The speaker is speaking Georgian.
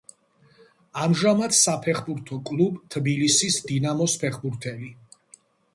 ამჟამად საფეხბურთო კლუბ თბილისის „დინამოს“ ფეხბურთელი.